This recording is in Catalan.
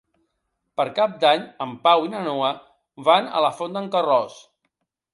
Per Cap d'Any en Pau i na Noa van a la Font d'en Carròs.